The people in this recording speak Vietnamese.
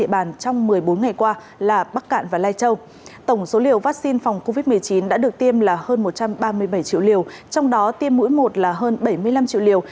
phòng covid một mươi chín đã được tiêm hơn một trăm ba mươi bảy triệu liều trong đó tiêm mũi một là hơn bảy mươi năm triệu liều